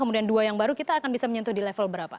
kemudian dua yang baru kita akan bisa menyentuh di level berapa